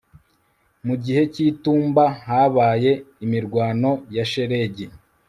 Mu gihe citumba habaye imirwano ya shelegi